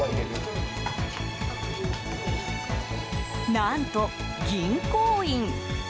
何と銀行員。